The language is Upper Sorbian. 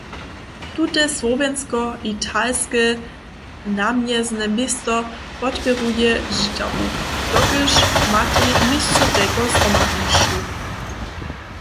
Tute słowjensko-italske namjezne město podpěruje Žitawu, dokelž matej měsće telko zhromadnosćow.